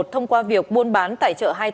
thông qua việc buôn bán tài trợ hai mươi tám